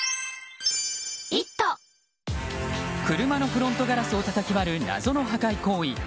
車のフロントガラスをたたき割る謎の破壊行為。